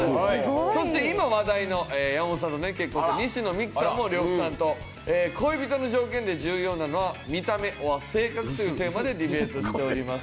そして今話題の山本さんとね結婚した西野未姫さんも呂布さんと「恋人の条件で重要なのは見た目ｏｒ性格」というテーマでディベートしております。